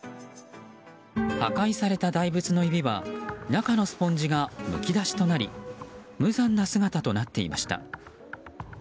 破壊された大仏の指は中のスポンジがむき出しとなり無残な姿となっていました。